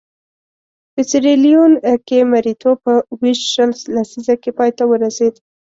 په سیریلیون کې مریتوب په ویشت شل لسیزه کې پای ته ورسېد.